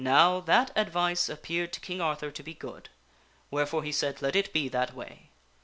Now that advice appeared to King Arthur to be good, wherefore he said, " Let it be that way."